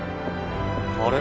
あれ？